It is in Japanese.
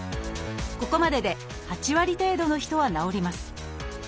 ここまでで８割程度の人は治ります。